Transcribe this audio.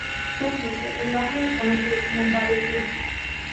Actualmente, el barrio es conocido como un barrio turístico.